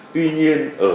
tuy nhiên ở